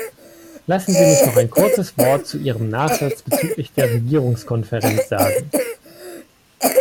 Lassen Sie mich noch ein kurzes Wort zu Ihrem Nachsatz bezüglich der Regierungskonferenz sagen.